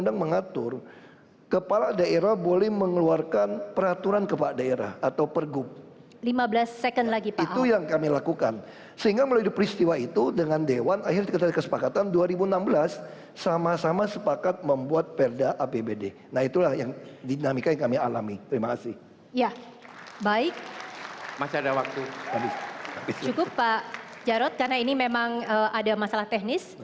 cukup pak jarod karena ini memang ada masalah teknis